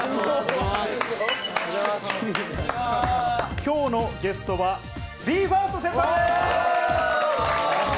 今日のゲストはＢＥ：ＦＩＲＳＴ先輩です！